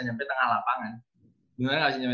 nyampe tengah lapangan beneran gak bisa nyampe